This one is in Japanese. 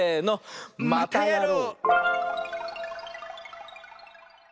またやろう！